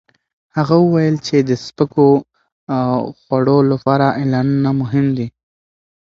هغه وویل چې د سپکو خوړو لپاره اعلانونه مهم دي.